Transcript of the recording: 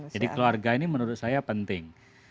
jadi keluarga ini menurut saya penting